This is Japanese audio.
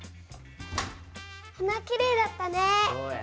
花きれいだったね。